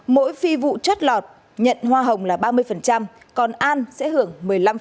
mỗi phi vụ chất lọt nhận hoa hồng là ba mươi còn an sẽ hưởng một mươi năm